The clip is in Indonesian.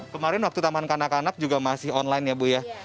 kemarin waktu taman kanak kanak juga masih online ya bu ya